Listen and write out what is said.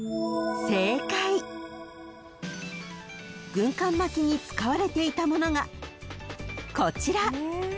［軍艦巻きに使われていたものがこちら］